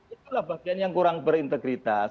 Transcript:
itulah bagian yang kurang berintegritas